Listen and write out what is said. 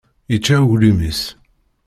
Yečča aglim-is.